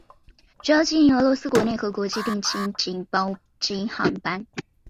主要经营俄罗斯国内和国际定期及包机航班。